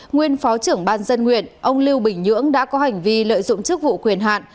nguyên phó trưởng ban dân nguyện ông lưu bình nhưỡng đã có hành vi lợi dụng chức vụ quyền hạn